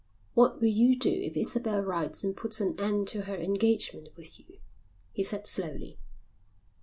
"What will you do if Isabel writes and puts an end to her engagement with you?" he said, slowly.